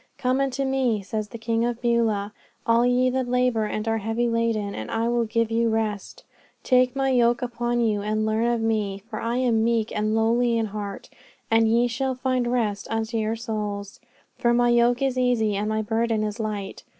"Come unto Me," says the King of Beulah, "all ye that labour and are heavy laden, and I will give you rest. Take My yoke upon you and learn of Me, for I am meek and lowly in heart, and ye shall find rest unto your souls. For My yoke is easy and My burden is light."